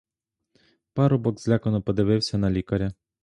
Парубок злякано подивився на лікаря.